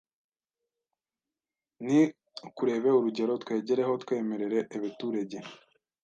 “Ni ukurebe urugero twegereho twemerere ebeturege